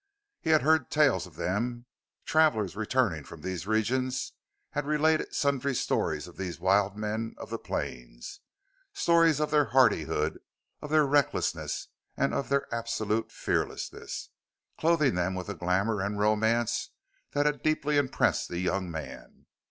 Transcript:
He had heard tales of them; travelers returning from these regions had related sundry stories of these wild men of the plains; stories of their hardihood, of their recklessness, of their absolute fearlessness clothing them with a glamor and romance that had deeply impressed the young man.